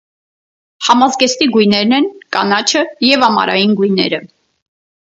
Համազգեստի գույներն են կանաչը և ամարային գույները։